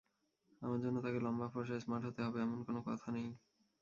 আমার জন্য তাকে লম্বা, ফরসা, স্মার্ট হতে হবে—এমন কোনো কথা নেই।